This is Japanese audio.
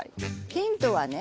ヒントはね